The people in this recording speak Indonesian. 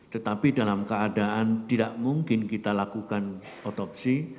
tetapi dalam keadaan tidak mungkin kita lakukan otopsi